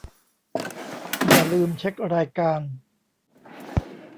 อย่าลืมเช็ครายการ